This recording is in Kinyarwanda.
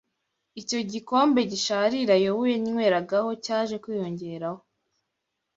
Icyo gikombe gisharira Yobu yanyweragaho cyaje kwiyongeraho